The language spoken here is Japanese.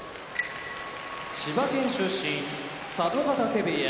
千葉県出身佐渡ヶ嶽部屋